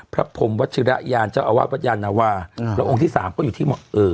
พระพรมวัชรญาณเจ้าอาวาสวัชยานวาแล้วองค์ที่สามก็อยู่ที่